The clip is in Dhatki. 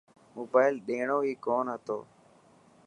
موبائل ڏيڻو هي ڪون هتن.